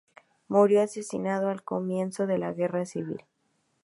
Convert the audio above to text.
Murió asesinado al comienzo de la Guerra Civil.